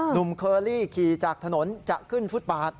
หนุ่มเคอรี่ขี่จากถนนจะขึ้นฟุตปาด